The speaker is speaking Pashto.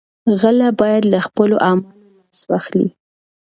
غله باید له خپلو اعمالو لاس واخلي.